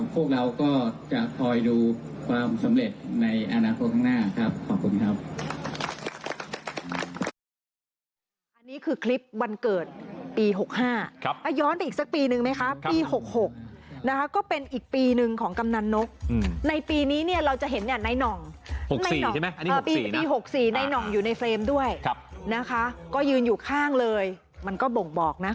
พวกเราก็จะคอยดูความสำเร็จในอนาคตข้างหน้าครับขอบคุณครับ